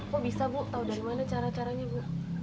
kok bisa bu tahu dari mana cara caranya bu